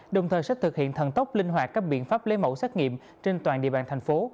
đồng thời sẽ thực hiện thần tốc linh hoạt các biện pháp lấy mẫu xét nghiệm trên toàn địa bàn thành phố